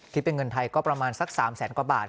เป็นเงินไทยก็ประมาณสัก๓แสนกว่าบาท